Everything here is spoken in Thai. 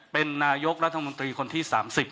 เป็นนายกรัฐมนตรีคนที่๓๐